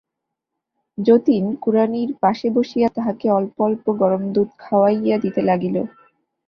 যতীন কুড়ানির পাশে বসিয়া তাহাকে অল্প অল্প গরম দুধ খাওয়াইয়া দিতে লাগিল।